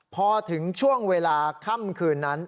พอถึงช่วงเวลาค่ำคืนนั้น